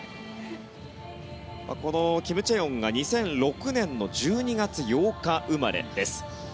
このキム・チェヨンが２００６年の１２月８日生まれです。